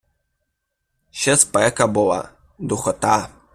Ще спека була, духота.